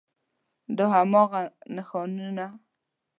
دا هماغه نښانونه